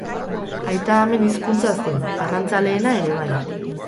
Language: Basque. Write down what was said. Aita-amen hizkuntza zen, arrantzaleena ere bai.